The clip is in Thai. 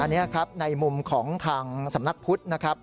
อันนี้ครับในมุมของทางสำนักพุทธนะครับ